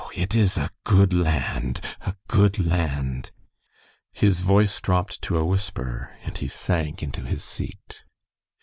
it is a good land, a good land!" His voice dropped to a whisper, and he sank into his seat.